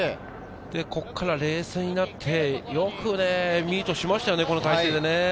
ここから冷静になって、よくミートしましたよね、この体勢で。